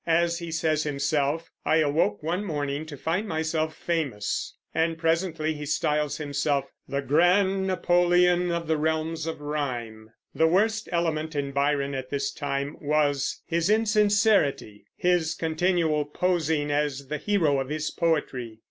As he says himself, "I awoke one morning to find myself famous," and presently he styles himself "the grand Napoleon of the realms of rhyme." The worst element in Byron at this time was his insincerity, his continual posing as the hero of his poetry.